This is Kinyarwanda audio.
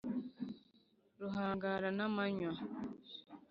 ruhangara na manywa